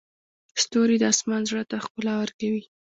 ستوري د اسمان زړه ته ښکلا ورکوي.